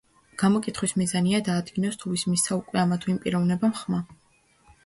გამოკითხვის მიზანია, დაადგინოს, თუ ვის მისცა უკვე ამა თუ იმ პიროვნებამ ხმა.